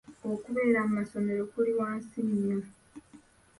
Okubeera mu masomero kuli wansi nnyo.